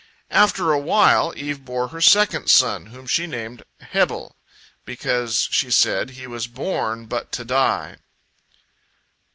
After a while, Eve bore her second son, whom she named Hebel, because, she said, he was born but to die.